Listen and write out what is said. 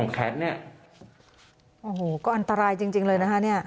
โอ้โหก็อันตรายจริงเลยนะฮะ